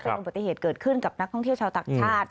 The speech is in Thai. อุบัติเหตุเกิดขึ้นกับนักท่องเที่ยวชาวต่างชาติ